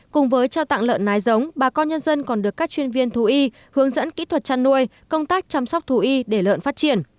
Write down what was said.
cùng với trao tặng lợn nái giống bà con nhân dân còn được các chuyên viên thú y hướng dẫn kỹ thuật chăn nuôi công tác chăm sóc thú y để lợn phát triển